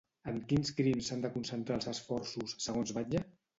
En quins crims s'han de concentrar els esforços, segons Batlle?